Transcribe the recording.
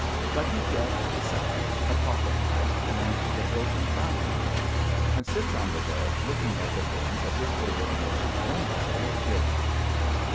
But he gets besides a pocketknife and the broken fountain pen and sits on the bed looking at the things as if they were the most wonderful of gifts.